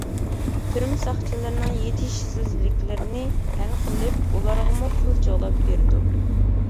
تۈرمە ساقچىلىرىنىڭ يېتىشسىزلىكلىرىنى ھەل قىلىپ، ئۇلارغىمۇ پۇل جۇغلاپ بېرىدۇ.